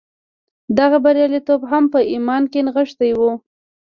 د هغه بریالیتوب هم په ایمان کې نغښتی و